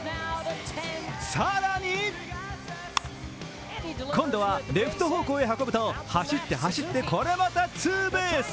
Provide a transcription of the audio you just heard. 更に今度はレフト方向へ運ぶと、走って走ってこれまたツーベース。